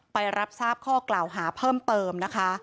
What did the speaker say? ไปรับทราบข้อกล่าวหาเพิ่มเติมนะคะ